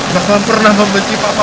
jangan pernah membenci papa